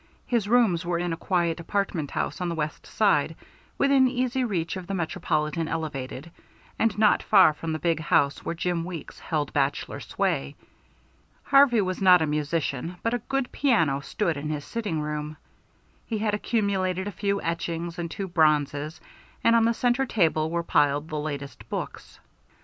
His rooms were in a quiet apartment house on the West Side, within easy reach of the Metropolitan Elevated, and not far from the big house where Jim Weeks held bachelor sway. Harvey was not a musician, but a good piano stood in his sitting room. He had accumulated a few etchings and two bronzes; and on the centre table were piled the latest books.